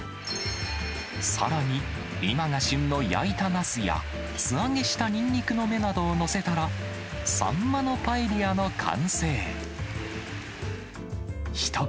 さらに今が旬の焼いたナスや、素揚げしたニンニクの芽などを載せたら、サンマのパエリアの完成。